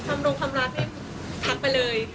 ทำโรคคำรักให้พักไปเลย